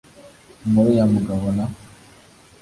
inkuru ya mugabo na